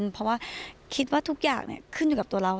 เพราะว่าคิดว่าทุกอย่างขึ้นอยู่กับตัวเรา